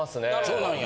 そうなんや。